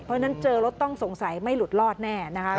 เพราะฉะนั้นเจอรถต้องสงสัยไม่หลุดรอดแน่นะคะ